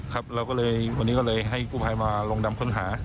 เราก็เลยวันนี้ก็เลยให้กู้ภัยมาลงดำค้นหา